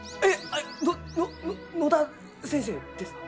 あどのの野田先生ですか？